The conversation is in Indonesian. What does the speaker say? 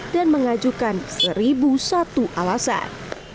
dan mengajukan satu satu alasan